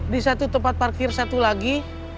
di satu tempat parkir satu lagi